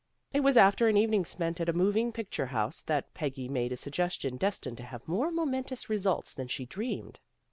It was after an evening spent at a moving picture house that Peggy made a suggestion destined to have more momentous results than she dreamed.